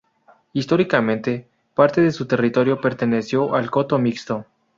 Históricamente, parte de su territorio perteneció al Coto Mixto.